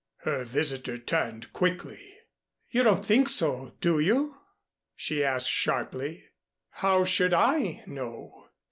Her visitor turned quickly. "You don't think so, do you?" she asked sharply. "How should I know?"